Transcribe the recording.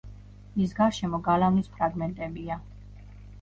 მის გარშემო გალავნის ფრაგმენტებია.